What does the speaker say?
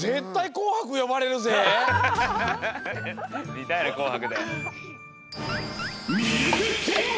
みたいね「紅白」で。